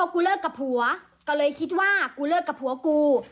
กูเลิกกับผัวก็เลยคิดว่ากูเลิกกับผัวกู